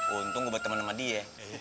untung gue temen sama dia ya